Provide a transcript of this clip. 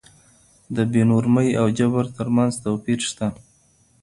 د بې نورمۍ او جبر تر منځ توپير سته.